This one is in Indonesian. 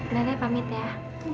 nene pamit ya